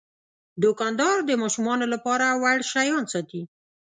دوکاندار د ماشومانو لپاره وړ شیان ساتي.